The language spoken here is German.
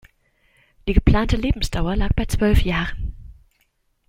Die geplante Lebensdauer lag bei zwölf Jahren.